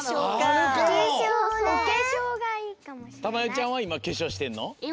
ちゃんはいまけしょうしてんの？